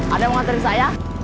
ada yang mau nganterin saya